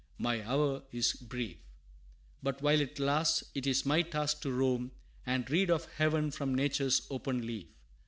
My hour is brief, But while it lasts, it is my task to roam, And read of Heaven from nature's open leaf.